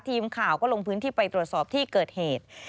ทีมข่าวก็ลงพื้นที่ไปตรวจสอบที่เกิดเหตุ